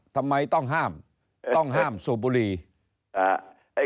ทำไมต้องห้ามต้องห้ามสูบบุรีอ่า